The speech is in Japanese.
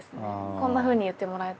こんなふうに言ってもらえて。